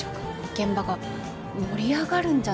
現場が盛り上がるんじゃないかと。